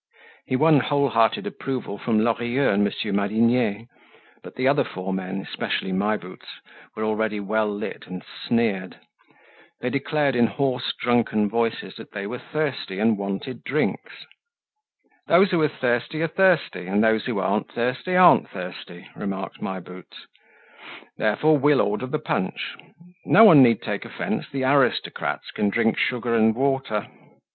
He won whole hearted approval from Lorilleux and Monsieur Madinier; but the other four men, especially My Boots, were already well lit and sneered. They declared in hoarse drunken voices that they were thirsty and wanted drinks. "Those who're thirsty are thirsty, and those who aren't thirsty aren't thirsty," remarked My Boots. "Therefore, we'll order the punch. No one need take offence. The aristocrats can drink sugar and water."